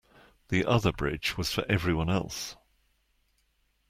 The other bridge was for everyone else.